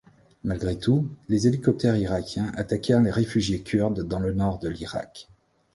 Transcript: Malgré tout, des hélicoptères irakiens attaquèrent des réfugiés kurdes dans le nord de l'Irak.